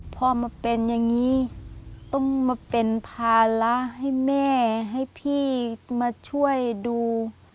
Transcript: พอมาเป็นอย่างนี้ต้องมาเป็นภาระให้แม่ให้พี่มาช่วยดู